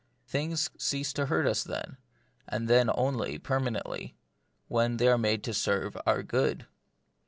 Things cease to hurt ! us then, and then only permanently, when they are made to serve our good.